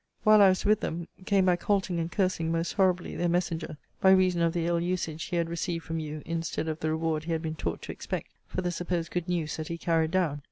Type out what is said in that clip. While I was with them, came back halting and cursing, most horribly, their messenger; by reason of the ill usage he had received from you, instead of the reward he had been taught to expect for the supposed good news that he carried down.